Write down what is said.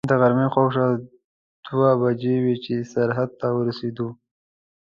د غرمې شاوخوا دوې بجې وې چې سرحد ته ورسېدو.